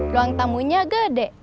ruang tamunya gede